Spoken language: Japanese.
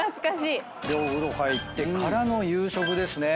でお風呂入ってからの夕食ですね。